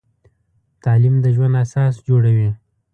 تعلیم د ژوند اساس جوړوي.